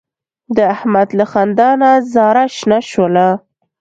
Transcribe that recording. د احمد له خندا نه زاره شنه شوله.